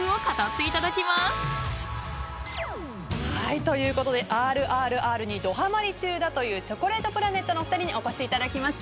ということでＲＲＲに、どはまり中だというチョコレートプラネットの２人にお越しいただきました。